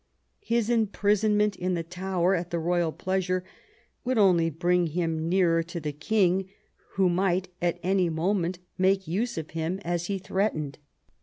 His imprisonment in the Tower at the royal pleasure would only bring him nearer to the king, who might at any moment make use of X THE FALL OF WOLSEY 201 him as he threatened.